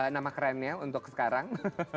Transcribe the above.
nama kerennya untuk sekarang